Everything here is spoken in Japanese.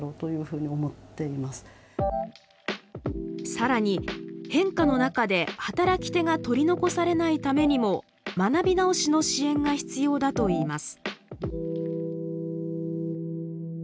さらに、変化の中で働き手が取り残されないためにも学び直しの支援が必要だといいます。